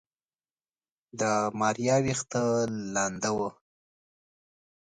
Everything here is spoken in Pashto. د ماريا ويښته لنده وه.